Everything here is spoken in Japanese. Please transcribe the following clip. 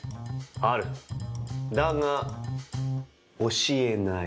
あるだが教えない。